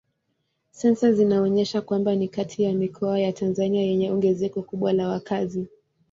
Sensa zinaonyesha kwamba ni kati ya mikoa ya Tanzania yenye ongezeko kubwa la wakazi.